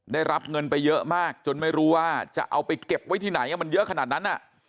ได้รับเงินไปเยอะมากจนไม่รู้ว่าจะเอาไปเก็บไว้ที่ไหนมันเยอะขนาดนั้น